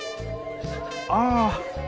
ああ。